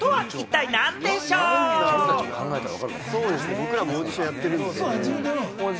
僕らもオーディションやってるんで。